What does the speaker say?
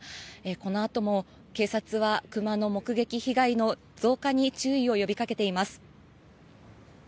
このあとも警察はクマの目撃被害の増加に注意を呼びかけています。